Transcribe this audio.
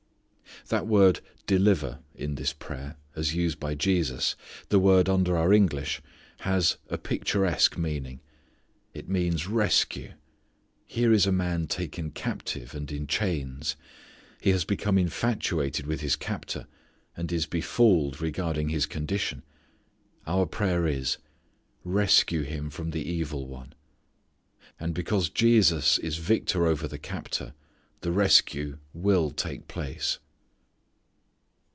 That word "deliver" in this prayer, as used by Jesus, the word under our English, has a picturesque meaning. It means rescue. Here is a man taken captive, and in chains. But he has become infatuated with his captor, and is befooled regarding his condition. Our prayer is, "rescue him from the evil one," and because Jesus is Victor over the captor, the rescue will take place.